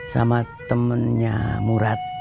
sama temennya murad